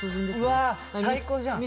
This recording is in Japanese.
うわ最高じゃん。